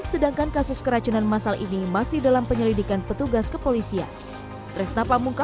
sedangkan kasus keracunan masal ini masih dalam penyelidikan petugas kepolisian